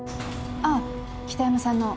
ああ北山さんの。